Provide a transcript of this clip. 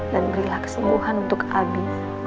dan berilah kesembuhan untuk abi